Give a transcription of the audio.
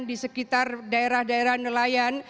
di sekitar daerah daerah nelayan